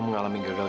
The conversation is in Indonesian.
berhifying gangba aku